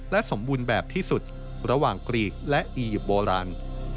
สมบูรณ์แบบที่สุดระหว่างกรีกและอียิปต์โบราณ